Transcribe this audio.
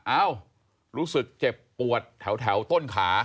เอ้ารู้สึกเจ็บปวดแถวต้นขา